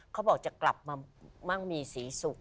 เขาบอกจะกลับมามั่งมีศรีสุข